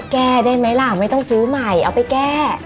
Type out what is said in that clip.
แก้ได้ไหมล่ะไม่ต้องซื้อใหม่เอาไปแก้